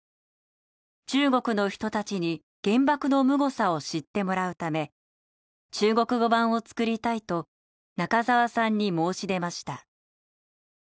中国の人たちに原爆のむごさを知ってもらうため中国語版を作りたいと中沢さんに申し出ました。